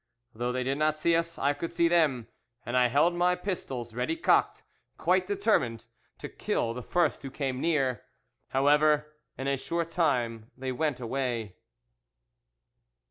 Though they did not see us I could see them, and I held my pistols ready cocked, quite determined to kill the first who came near. However, in a short time they went away.